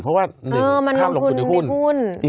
เพราะว่า๑คำลงทุนในหุ้น